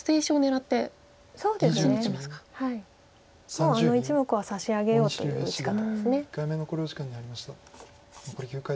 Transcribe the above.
もうあの１目は差し上げようという打ち方です。